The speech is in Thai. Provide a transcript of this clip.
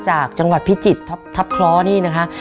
จากจังหวัดพิจิตรทัพคล้อนี่นะคะ